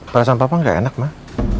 perasaan papa nggak enak mah